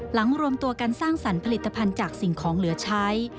รวมตัวกันสร้างสรรค์ผลิตภัณฑ์จากสิ่งของเหลือใช้